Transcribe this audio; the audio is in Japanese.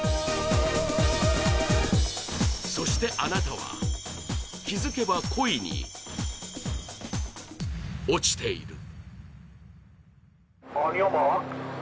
そしてあなたは気づけば恋に落ちている。